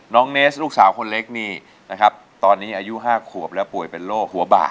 น้องเนสลูกสาวคนเล็กนี่นะครับตอนนี้อายุ๕ขวบแล้วป่วยเป็นโรคหัวบาก